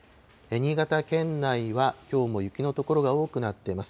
新潟県内はきょうも雪の所が多くなっています。